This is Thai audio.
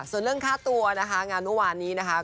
ส่วนเรื่องค่าตัวนะคะงานเมื่อวานนี้นะคะ